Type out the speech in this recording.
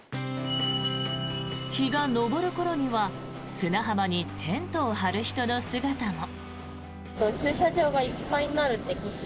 日が昇る頃には砂浜にテントを張る人の姿も。